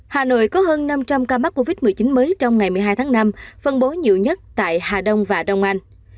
hà nội có hơn năm trăm linh ca mắc covid một mươi chín mới trong ngày một mươi hai tháng năm phân bố nhiều nhất tại hà đông và đông anh